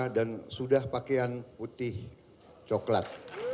dan sudah pakaian putih coklat